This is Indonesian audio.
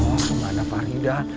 oh kemana farida